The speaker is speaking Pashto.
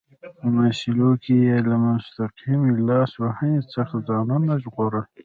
په مسایلو کې یې له مستقیمې لاس وهنې څخه ځانونه ژغورل.